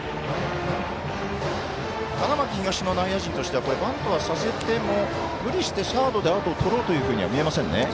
花巻東の内野陣としてはバントはさせても無理してサードでアウトをとろうというようには見えませんね。